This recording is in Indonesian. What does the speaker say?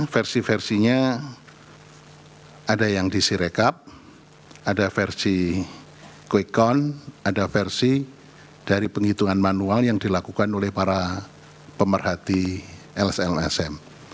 versi versinya ada yang disirekap ada versi quick count ada versi dari penghitungan manual yang dilakukan oleh para pemerhati lslsm